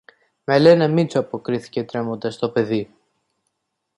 Με λένε Μήτσο, αποκρίθηκε τρέμοντας το παιδί